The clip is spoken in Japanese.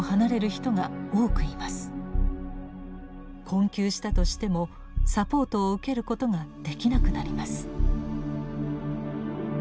困窮したとしてもサポートを受けることができなくなります。